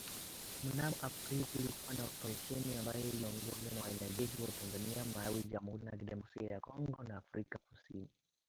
Mnamo aprili kulikuwa na operesheni ambayo iliiyoongozwa na wanajeshi wa Tanzania, Malawi, Jamuhuri ya kidemokrasia ya Kongo na Afrika kusini